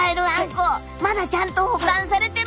まだちゃんと保管されてるんだよ。